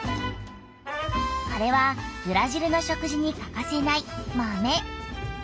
これはブラジルの食事にかかせない「豆」！